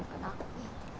うん・